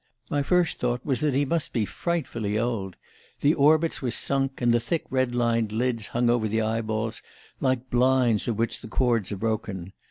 My first thought was that he must be frightfully old. The orbits were sunk, and the thick red lined lids hung over the eyeballs like blinds of which the cords are broken.